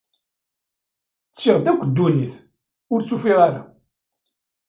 Ttiɣ-d akk ddunit, ur tt-ufiɣ ara.